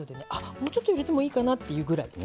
もうちょっと入れてもいいかなっていうぐらいです。